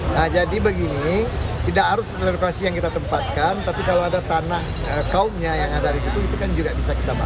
nah jadi begini tidak harus relokasi yang kita tempatkan tapi kalau ada tanah kaumnya yang ada di situ itu kan juga bisa kita bangun